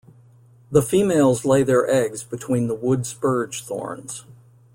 The females lay their eggs between the wood spurge thorns.